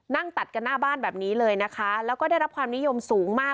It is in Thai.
นั่งตัดกันหน้าบ้านแบบนี้เลยนะคะแล้วก็ได้รับความนิยมสูงมาก